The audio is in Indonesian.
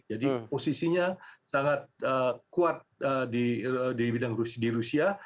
jadi posisinya sangat kuat di bidang rusia